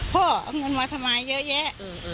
พ่อเอาเงินมาทำไมเยอะแยะ